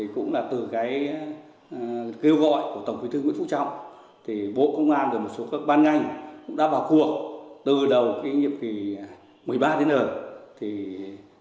cũng là từ kêu gọi của tổng thủy thư nguyễn phúc trọng bộ công an và một số các ban ngành đã vào cuộc từ đầu nhiệm kỳ một mươi ba đến giờ